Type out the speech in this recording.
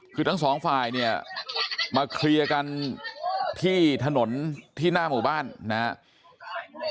คือทั้งสองฝ่ายเนี่ยมาเคลียร์กันที่ถนนที่หน้าหมู่บ้านนะครับ